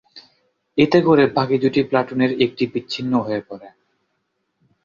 এতে করে বাকি দুই প্লাটুনের একটি বিচ্ছিন্ন হয়ে পড়ে।